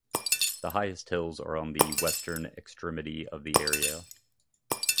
The highest hills are on the western extremity of the area.